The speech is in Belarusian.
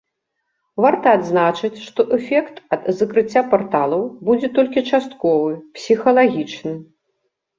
Варта адзначыць, што эфект ад закрыцця парталаў будзе толькі частковы, псіхалагічны.